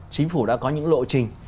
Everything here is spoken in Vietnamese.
chính phủ đã có những lộ trình